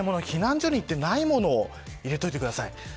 避難所に行ってないものを入れておいてください。